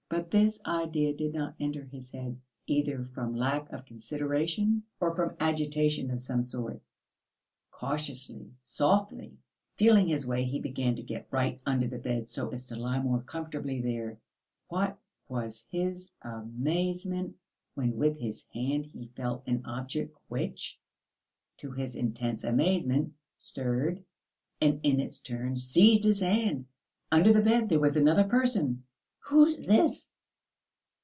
But this idea did not enter his head, either from lack of consideration or from agitation of some sort. Cautiously, softly, feeling his way he began to get right under the bed so as to lie more comfortably there. What was his amazement when with his hand he felt an object which, to his intense amazement, stirred and in its turn seized his hand! Under the bed there was another person! "Who's this?"